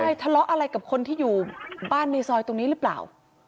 ใช่ทะเลาะอะไรกับคนที่อยู่บ้านในซอยตรงนี้หรือเปล่า